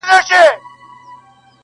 هغه نجلۍ نوره له ما څخه پرده نه کوي,